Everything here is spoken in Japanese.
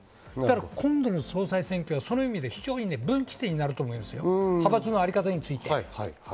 今度の総裁選はその意味で非常に分岐点になると思いますよ、派閥のあり方について。